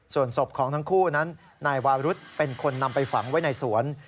ส่วนศพของทั้งคู่นั้นนายวารุธเป็นคนนำไปฝังไว้ในสวน